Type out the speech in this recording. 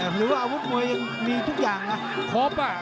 หรือว่าอาวุธมวยยังมีทุกอย่างนะครบ